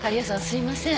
すいません。